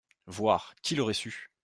Voire, qui l’aurait su !